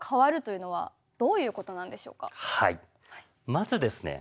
まずですね